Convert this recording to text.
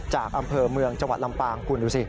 จากอำเภอเมืองจังหวัดลำปาง